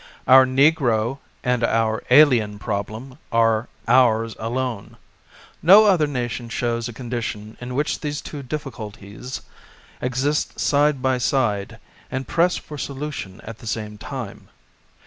Our negro and our alien problem are/| ours alone. No other nation shows a condition in which these two difficul ties exist side by side, and press for solution at the same time.